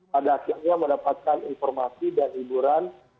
pada akhirnya mendapatkan informasi dan hiburan